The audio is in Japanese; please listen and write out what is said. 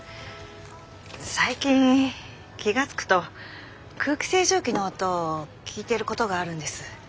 最近気が付くと空気清浄機の音を聞いてることがあるんです。